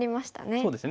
そうですね。